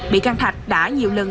bị căn thạch đã nhiều lần